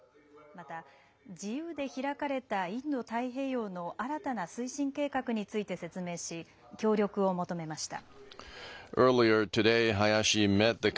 また自由で開かれたインド太平洋の新たな推進計画について説明し協力を求めました。